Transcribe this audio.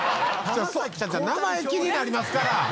名前気になりますから。